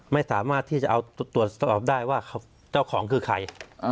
ไม่สามารถที่จะเอาตรวจสอบได้ว่าเจ้าของคือใคร